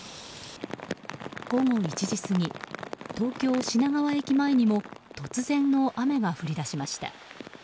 午後１時過ぎ東京・品川駅前にも突然の雨が降り出しました。